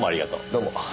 どうも。